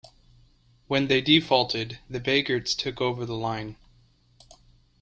When they defaulted the Biegerts took over the line.